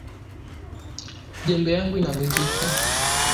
Jembe yangu inavunjika